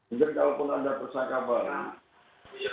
mungkin kalau pun ada persangka baru